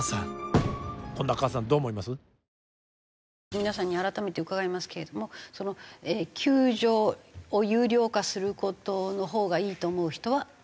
皆さんに改めて伺いますけれども救助を有料化する事のほうがいいと思う人は？